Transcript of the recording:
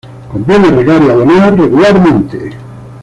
Conviene regar y abonar regularmente.